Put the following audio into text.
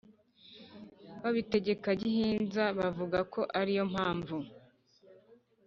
babitegeka gihinza bavuga ko ariyo mpamvu